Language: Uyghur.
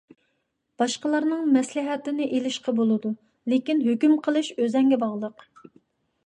باشقىلارنىڭ مەسلىھەتىنى ئېلىشقا بولىدۇ، لېكىن ھۆكۈم قىلىش ئۆزۈڭگە باغلىق.